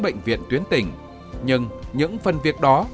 bệnh viện tuyến tỉnh nhưng những phần việc đó